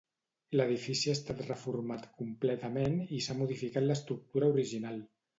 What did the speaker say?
L'edifici ha estat reformat completament i s'ha modificat l'estructura original.